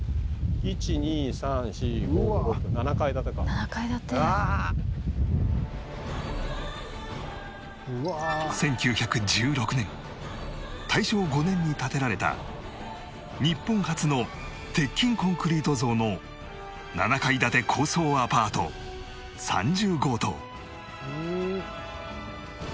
「７階建て」１９１６年大正５年に建てられた日本初の鉄筋コンクリート造の７階建て高層アパート３０号棟